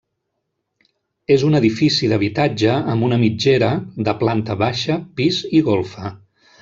És un edifici d'habitatge amb una mitgera, de planta baixa, pis i golfa.